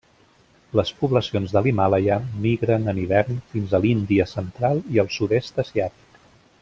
Les poblacions de l'Himàlaia migren en hivern fins a l'Índia central i el Sud-est Asiàtic.